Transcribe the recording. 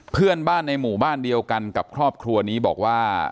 เพื่อนบ้านในหมู่บ้านเดียวกันกับครอบครัวนี้บอกว่า